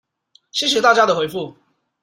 謝謝大家的回覆